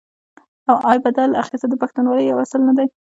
آیا بدل اخیستل د پښتونولۍ یو اصل نه دی؟